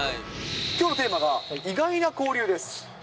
きょうのテーマが、意外な交流です。